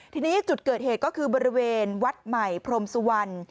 ทีนี้จุดเกิดเหตุก็คือบริเวณวัดใหม่พรมสุวรรณ